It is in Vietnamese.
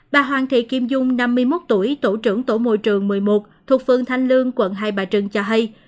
bà hoàng thị kim dung năm mươi một tuổi tổ trưởng tổ môi trường một mươi một thuộc phương thanh lương quận hai bà trưng cho hay